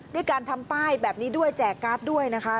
ด้วยการทำป้ายแบบนี้ด้วยแจกการ์ดด้วยนะคะ